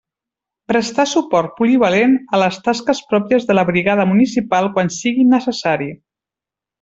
Prestar suport polivalent a les tasques pròpies de la Brigada municipal quan sigui necessari.